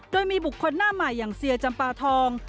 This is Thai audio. โดยมีบุคคลหน้าใหม่อย่างเซียจำปาทอง